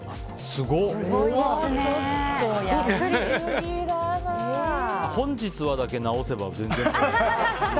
すごい！「本日は」だけ直せば、全然。